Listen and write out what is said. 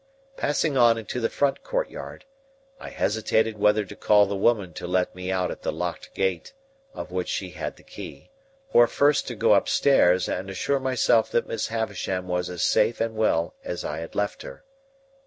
Passing on into the front courtyard, I hesitated whether to call the woman to let me out at the locked gate of which she had the key, or first to go upstairs and assure myself that Miss Havisham was as safe and well as I had left her.